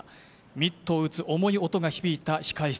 ミットを打つ重い音が響いた控室。